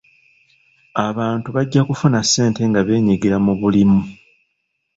Abantu bajja kufuna ssente nga beenyigira mu bulimu.